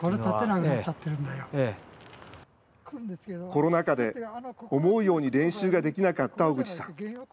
コロナ禍で思うように練習ができなかった小口さん。